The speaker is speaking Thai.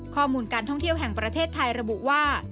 ข้อมูลการท่องเที่ยวแห่งประเทศไทยระบุว่า